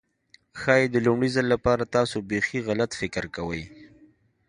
ښايي د لومړي ځل لپاره تاسو بيخي غلط فکر کوئ.